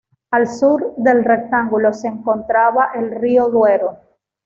Al sur del rectángulo se encontraba el río Duero.